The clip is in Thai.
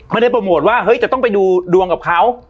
ไม่ได้โปรโมทว่าเฮ้ยจะต้องไปดูดวงกับเขา